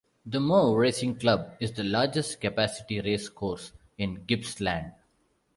The Moe Racing Club is the largest capacity racecourse in Gippsland.